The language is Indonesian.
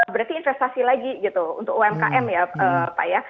berarti investasi lagi gitu untuk umkm ya pak ya